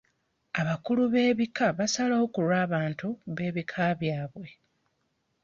Abakulu b'ebika basalawo ku lw'abantu beebika byabwe.